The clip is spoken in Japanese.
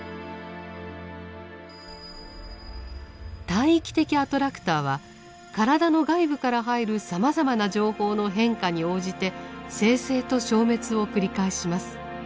大域的アトラクターは体の外部から入るさまざまな情報の変化に応じて生成と消滅を繰り返します。